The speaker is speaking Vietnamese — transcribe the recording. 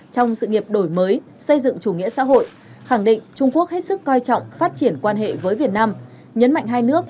trong sự nghiệp đổi mới xây dựng chủ nghĩa xã hội khẳng định trung quốc hết sức coi trọng phát triển quan hệ với việt nam nhấn mạnh hai nước